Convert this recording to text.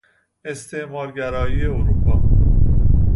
استعمارگرایی اروپا